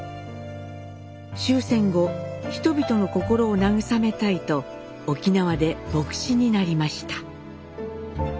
終戦後人々の心を慰めたいと沖縄で牧師になりました。